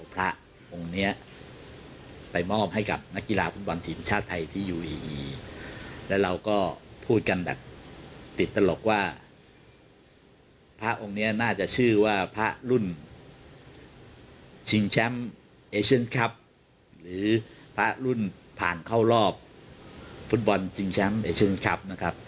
ประโทษแล้วพุทธกล์ลที่วางด่างฟุตบอลสิงและแอชม์ไอะเซณครับ